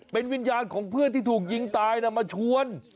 เป็นวิญญาณของเพื่อนที่ถูกยิงตายมาชวน